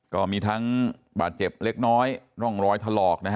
ก็มีทั้งบาดเจ็บเล็กน้อยร่องรอยถลอกนะฮะ